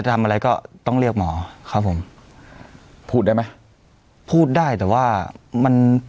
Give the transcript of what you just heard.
ทำอะไรก็ต้องเรียกหมอครับผมพูดได้ไหมพูดได้แต่ว่ามัน